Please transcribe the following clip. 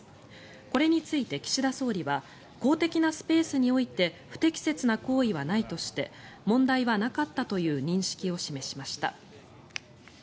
これについて、岸田総理は公的なスペースにおいて不適切な行為はないとして問題はなかったとの認識を示しました。